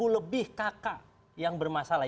lebih kakak yang bermasalah